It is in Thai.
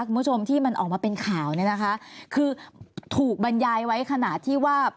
คุณผู้ชมที่มันออกมาเป็นข่าวเนี่ยนะคะคือถูกบรรยายไว้ขนาดที่ว่า